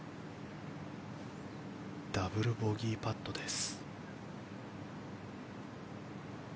ダブルボギーパットです。